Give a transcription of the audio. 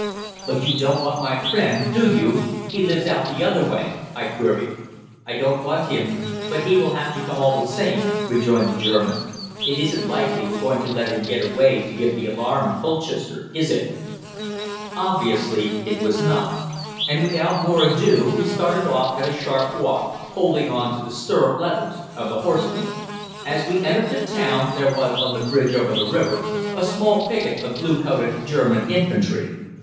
"'But you don't want my friend, do you he lives out the other way?' I queried. "'I don't want him, but he will have to come all the same,' rejoined the German. 'It isn't likely we're going to let him get away to give the alarm in Colchester, is it?' "Obviously it was not, and without more ado we started off at a sharp walk, holding on to the stirrup leathers of the horsemen. "As we entered the town there was on the bridge over the river, a small picket of blue coated German infantry.